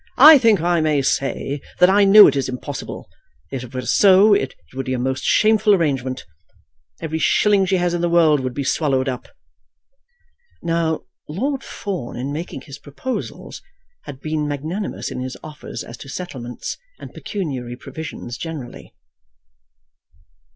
"I think I may say that I know that it is impossible. If it were so, it would be a most shameful arrangement. Every shilling she has in the world would be swallowed up." Now, Lord Fawn in making his proposals had been magnanimous in his offers as to settlements and pecuniary provisions generally.